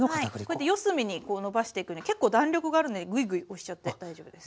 こうやって四隅にこうのばしていくんで結構弾力があるのでぐいぐい押しちゃって大丈夫です。